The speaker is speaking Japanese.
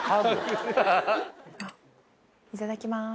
いただきます。